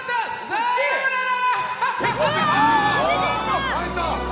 さようなら！